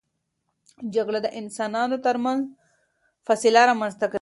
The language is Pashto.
جګړه د انسانانو ترمنځ فاصله رامنځته کوي.